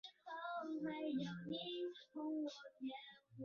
张玄靓于和平元年获张祚封为凉武侯。